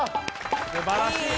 すばらしい。